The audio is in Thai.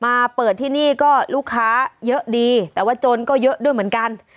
มาเปิดที่นี่ก็ลูกค้าเยอะดีแต่ว่าจนก็เยอะด้วยเหมือนกัน